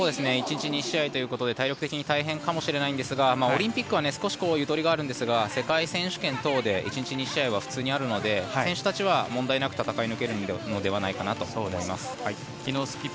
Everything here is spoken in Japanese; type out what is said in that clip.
１日２試合ということで体力的に大変かもしれないんですがオリンピックは少しゆとりがあるんですが世界選手権等で１日２試合は普通にあるので選手たちは問題なく戦い抜けるのではないかと思います。